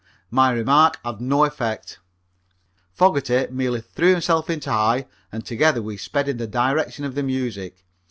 My remark had no effect. Fogerty merely threw himself into high, and together we sped in the direction of the music.